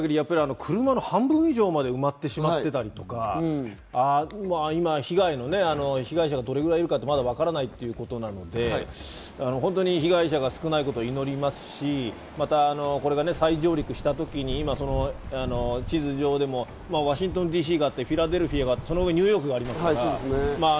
でも映像を見る限り、車の半分以上まで埋まってしまっていたりとか、今、被害者がどれぐらいいるか、まだわからないということなので、本当に被害者が少ないことを祈りますし、またこれが最上陸した時に地図上でもワシントンＤＣがあって、フィラデルフィアがあって、その上がニューヨークですから。